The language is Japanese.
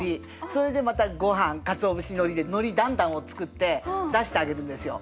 それでまたごはんかつお節のりでのりだんだんを作って出してあげるんですよ。